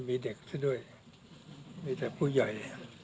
แม้ไม่มีเด็กซะด้วยไม่ได้ผู้ใหญ่